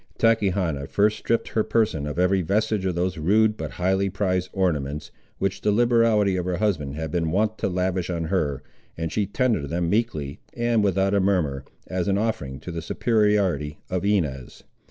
Tachechana first stripped her person of every vestige of those rude but highly prized ornaments, which the liberality of her husband had been wont to lavish on her, and she tendered them meekly, and without a murmur, as an offering to the superiority of Inez.